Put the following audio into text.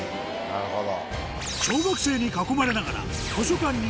なるほど。